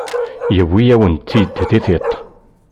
Yewwi-yawen-tt-id di tiṭ.